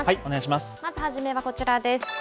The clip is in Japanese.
まず初めはこちらです。